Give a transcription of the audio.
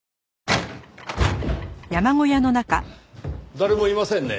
誰もいませんね。